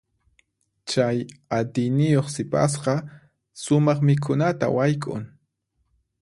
Chay atiyniyuq sipasqa sumaq mikhunata wayk'un.